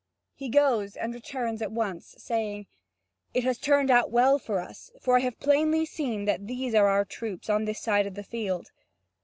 He goes and returns at once, saying: "It has turned out well for us, for I have plainly seen that these are our troops on this side of the field."